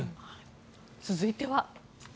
続いては。